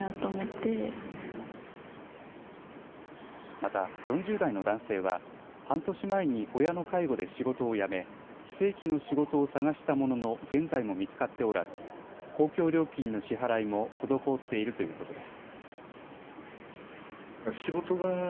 また４０代の男性は半年前に親の介護で仕事を辞め非正規の仕事を探したものの現在も見つかっておらず公共料金の支払いも滞っているということです。